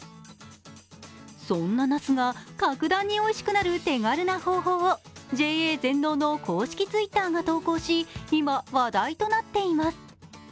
そんな、ナスが格段においしくなる手軽な方法をＪＡ全農の公式Ｔｗｉｔｔｅｒが投稿し今、話題となっています。